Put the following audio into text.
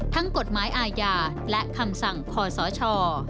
ทั้งกฎหมายอาญาและคำสั่งขอสอชอ